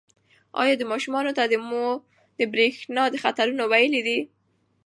ایا ماشومانو ته مو د برېښنا د خطرونو ویلي دي؟